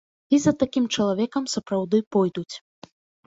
І за такім чалавекам сапраўды пойдуць.